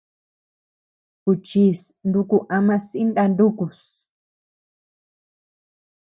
Kuchis nuku ama sï ndá nukus.